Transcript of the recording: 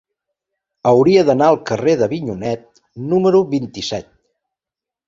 Hauria d'anar al carrer d'Avinyonet número vint-i-set.